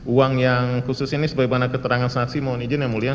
uang yang khusus ini sebagaimana keterangan saksi mohon izin yang mulia